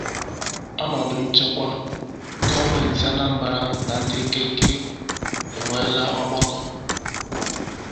Ọnọdụ Nchekwa: Gọọmenti Anambra Na Ndị Keke Enweela Ọgbakọ